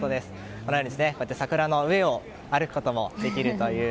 このように、桜の上を歩くこともできるという。